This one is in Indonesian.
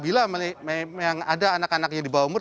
bila memang ada anak anak yang di bawah umur